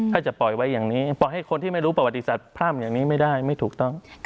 ถ้าจะปล่อยไว้อย่างนี้ปล่อยให้คนที่ไม่รู้ประวัติศาสตร์พร่ำอย่างนี้ไม่ได้ไม่ถูกต้อง